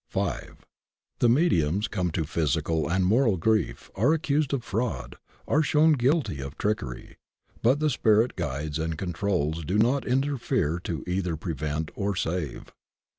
V. The mediums come to physical and moral grief, are accused of fraud, are shown guilty of trickery, but the spirit guides and controls do not interfere to either prevent or save.